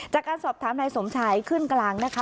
จากการสอบถามนายสมชัยขึ้นกลางนะคะ